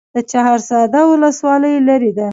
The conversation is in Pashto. د چهارسده ولسوالۍ لیرې ده